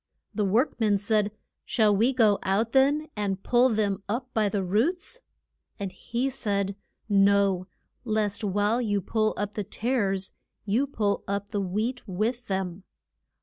The work men said, Shall we go out, then, and pull them up by the roots? And he said, No, lest while you pull up the tares you pull up the wheat with them.